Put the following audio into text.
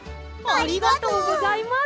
ありがとうございます！